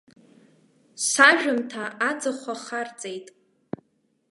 Сажәымҭа аӡахәа ахарҵеит!